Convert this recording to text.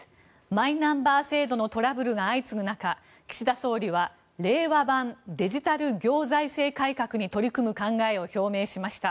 マイナンバー制度のトラブルが相次ぐ中岸田総理は令和版デジタル行財政改革に取り組む考えを表明しました。